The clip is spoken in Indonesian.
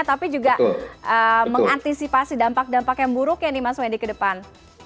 tapi juga mengantisipasi dampak dampak yang buruknya nih mas wendy ke depan